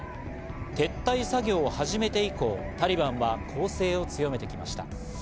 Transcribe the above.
撤退作業を始めて以降、タリバンは攻勢を強めてきました。